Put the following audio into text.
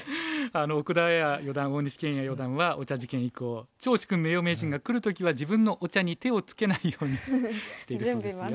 奥田あや四段大西研也四段はお茶事件以降趙治勲名誉名人が来る時は自分のお茶に手をつけないようにしているそうですよ。